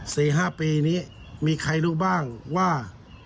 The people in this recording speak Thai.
สี่ห้าปีนี้มีใครรู้บ้างว่า